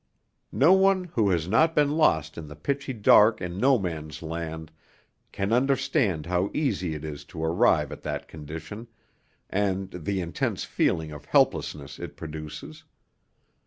No one who has not been lost in the pitchy dark in No Man's Land can understand how easy it is to arrive at that condition, and the intense feeling of helplessness it produces.